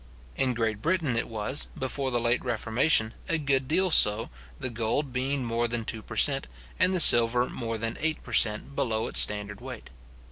In Great Britain it was, before the late reformation, a good deal so, the gold being more than two per cent., and the silver more than eight per cent. below its standard weight.